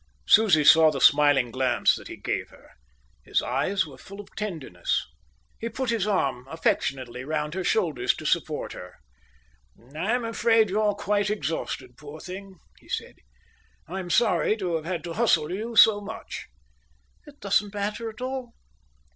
Susie saw the smiling glance that he gave her. His eyes were full of tenderness. He put his arm affectionately round her shoulders to support her. "I'm afraid you're quite exhausted, poor thing," he said. "I'm sorry to have had to hustle you so much." "It doesn't matter at all."